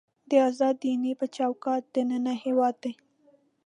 د ازاد دینۍ په چوکاټ دننه هېواد دی.